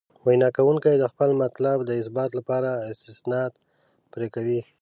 وینا کوونکي د خپل مطلب د اثبات لپاره استناد پرې کوي.